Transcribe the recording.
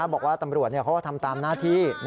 บอกว่าตำรวจเขาก็ทำตามหน้าที่